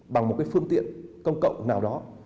bằng một cái phương tiện công cộng nào đó